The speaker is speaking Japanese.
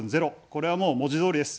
これは、もう文字どおりです。